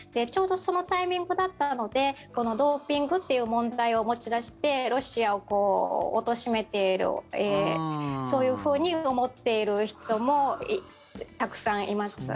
ちょうどそのタイミングだったのでドーピングっていう問題を持ち出してロシアをおとしめているそういうふうに思っている人もたくさんいます。